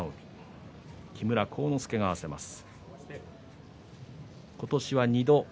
木村晃之助が合わせます。